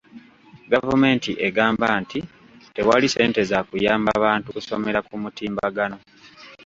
Gavumenti egamba nti tewali ssente za kuyamba bantu kusomera ku mutimbagano.